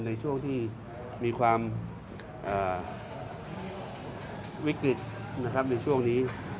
ในช่วงที่มีความวิกฤตนะครับในช่วงนี้